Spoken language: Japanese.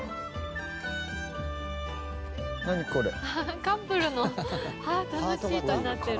本仮屋：カップルのハートのシートになってる。